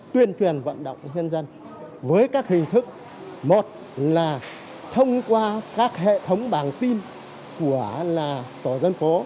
tuyên truyền vận động nhân dân với các hình thức một là thông qua các hệ thống bảng tin của tổ dân phố